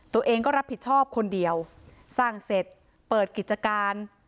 ตัวเองก็รับผิดชอบคนเดียวสร้างเสร็จเปิดกิจการ